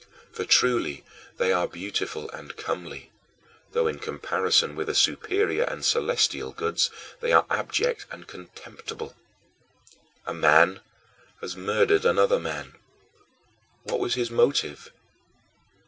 For truly they are beautiful and comely, though in comparison with the superior and celestial goods they are abject and contemptible. A man has murdered another man what was his motive?